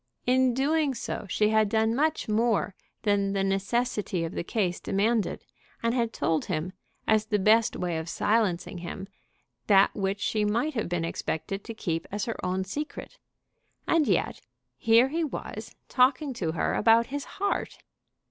In doing so she had done much more than the necessity of the case demanded, and had told him, as the best way of silencing him, that which she might have been expected to keep as her own secret. And yet here he was talking to her about his heart!